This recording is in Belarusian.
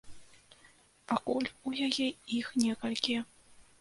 Пакуль у яе іх некалькі.